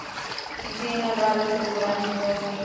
ځینې غالۍ د کورنۍ میراث وي.